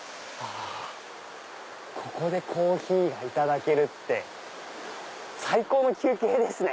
ここでコーヒーがいただけるって最高の休憩ですね。